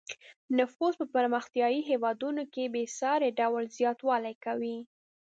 نفوس په پرمختیايي هېوادونو کې په بې ساري ډول زیاتوالی کوي.